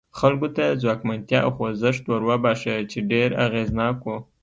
خلکو ته یې ځواکمنتیا او خوځښت وروباښه چې ډېر اغېزناک و.